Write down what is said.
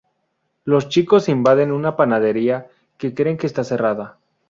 Los chicos invaden una panadería que creen que está cerrada.